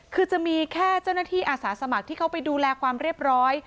คือจะมีแค่เจ้าหน้าที่อาสาสมัครที่เขาไปดูแลความเรียบร้อย